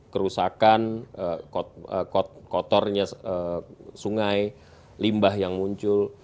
kerusakan kotornya sungai limbah yang muncul